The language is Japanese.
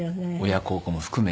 親孝行も含めて。